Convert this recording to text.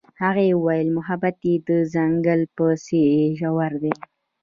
هغې وویل محبت یې د ځنګل په څېر ژور دی.